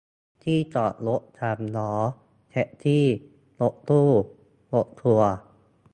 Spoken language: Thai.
ที่จอดรถ สามล้อ แท็กซี่ รถตู้ รถทัวร์